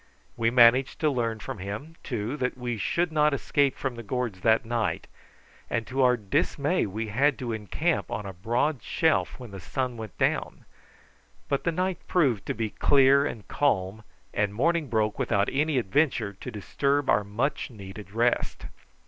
We managed to learn from him, too, that we should not escape from the gorge that night, and to our dismay we had to encamp on a broad shelf when the sun went down; but the night proved to be clear and calm, and morning broke without any adventure to disturb our much needed rest.